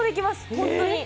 本当に。